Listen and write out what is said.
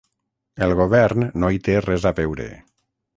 El govern no hi té res a veure.